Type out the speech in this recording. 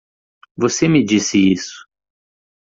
Você me disse isso.